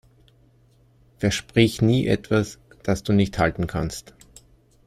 Versprich nie etwas, das du nicht halten kannst.